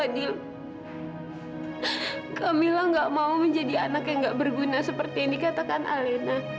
kak fadil kamila nggak mau menjadi anak yang nggak berguna seperti yang dikatakan alena